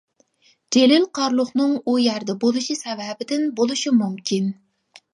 جېلىل قارلۇقنىڭ ئۇيەردە بولۇشى سەۋەبىدىن بولۇشى مۇمكىن.